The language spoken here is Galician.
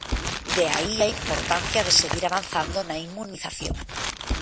De aí a importancia de seguir avanzando na inmunización.